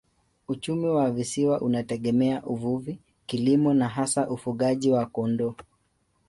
Uchumi wa visiwa unategemea uvuvi, kilimo na hasa ufugaji wa kondoo.